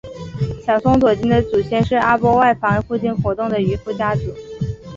小松左京的祖先是阿波外房附近活动的渔夫家族。